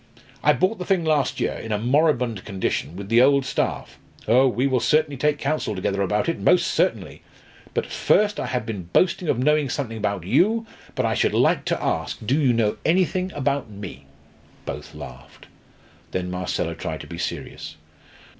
I bought the thing last year, in a moribund condition, with the old staff. Oh! we will certainly take counsel together about it most certainly! But first I have been boasting of knowing something about you but I should like to ask do you know anything about me?" Both laughed. Then Marcella tried to be serious.